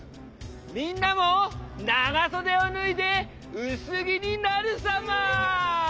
みんなもながそでをぬいでうすぎになるサマー！